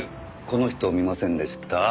この人を見ませんでした？